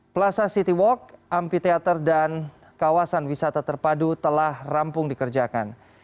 plasa city walk ampi teater dan kawasan wisata terpadu telah rampung dikerjakan